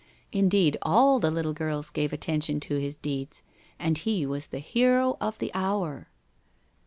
Indeed, all the little girls gave attention to his deeds, and he was the hero of the hour.